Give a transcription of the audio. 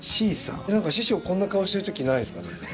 何か師匠こんな顔してる時ないですかね。